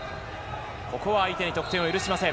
相手に得点を許しません。